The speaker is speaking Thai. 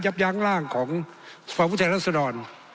ยับยั้งร่างของสภาพุทยศลสดอล